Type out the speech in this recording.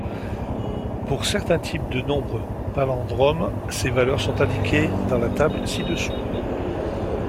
Pour certains types de nombres palindromes, ces valeurs sont indiquées dans la table ci-dessous.